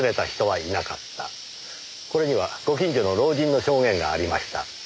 これにはご近所の老人の証言がありました。